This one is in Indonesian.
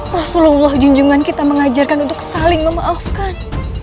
rasulullah junjungan kita mengajarkan untuk saling memaafkan